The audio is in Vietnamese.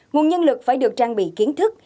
nguồn nhân lực phải được trang bị kiến thức